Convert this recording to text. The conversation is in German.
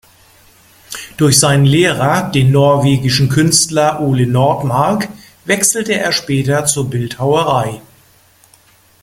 Durch seinen Lehrer, den norwegischen Künstler Ole Nordmark, wechselte er später zur Bildhauerei.